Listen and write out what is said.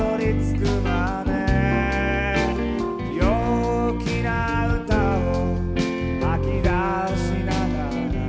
「陽気な唄を吐き出しながら」